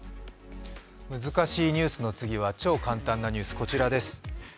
難しいニュースの次は超簡単なニュース、こちらです。